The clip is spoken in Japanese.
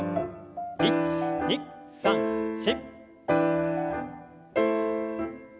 １２３４。